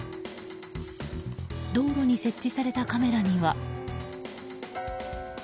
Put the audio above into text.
道路に設置されたカメラには。